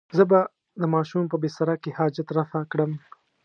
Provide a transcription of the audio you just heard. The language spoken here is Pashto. زه به د ماشوم په بستره کې حاجت رفع کړم.